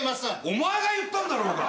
⁉お前が言ったんだろうが！